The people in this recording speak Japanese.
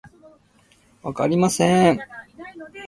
此处贡献的语句将被添加到采用许可证的公开数据集中。